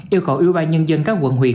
yêu cầu ủy ban nhân dân các quận huyện